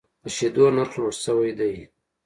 د شیدو نرخ لوړ شوی دی.